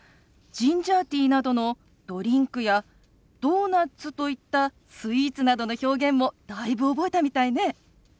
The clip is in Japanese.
ジンジャーティーなどのドリンクやドーナツといったスイーツなどの表現もだいぶ覚えたみたいね。